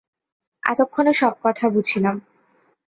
এতক্ষণে সব কথা বুঝিলাম।